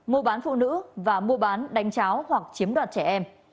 mua bán phụ nữ và mua bán đánh cháo hoặc chiếm đoạt trẻ em